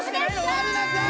春菜さん！